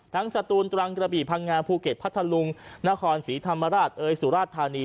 สตูนตรังกระบี่พังงาภูเก็ตพัทธลุงนครศรีธรรมราชเอ๋ยสุราชธานี